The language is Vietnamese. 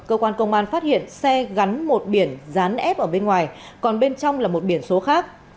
cơ quan công an phát hiện xe gắn một biển rán ép ở bên ngoài còn bên trong là một biển số khác